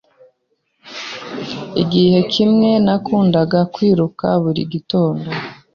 Igihe kimwe, nakundaga kwiruka buri gitondo.